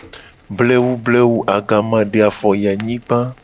Blewu blewu agama de afo yi anyigba :